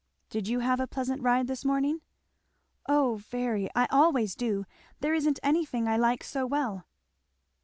"Did you have a pleasant ride this morning?" "O very! I always do. There isn't anything I like so well."